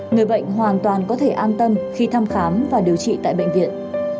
người bệnh hoàn toàn có thể an tâm khi thăm khám và điều trị tại bệnh viện